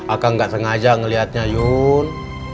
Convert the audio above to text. akang nggak sengaja ngeliatnya jun